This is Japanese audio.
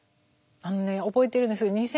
あのね覚えてるんです